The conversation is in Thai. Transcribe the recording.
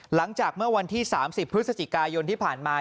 หลังจากเมื่อวันที่๓๐พฤศจิกายนที่ผ่านมา